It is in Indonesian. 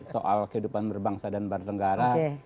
soal kehidupan berbangsa dan bernegara